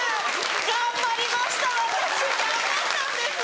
頑張りました私頑張ったんです！